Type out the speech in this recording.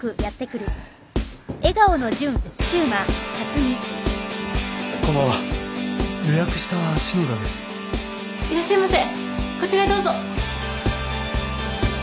こちらへどうぞ。